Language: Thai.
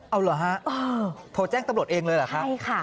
เอาเหรอฮะโทรแจ้งตำรวจเองเลยเหรอคะใช่ค่ะ